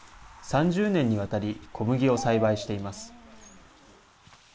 ３０年にわたり小麦を栽培しています。